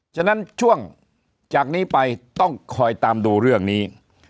ฉะนั้นช่วงจากนี้ไปต้องคอยตามดูเรื่องนี้